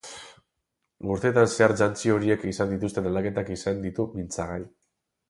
Urteetan zehar jantzi horiek izan dituzten aldaketak izan ditu mintzagai.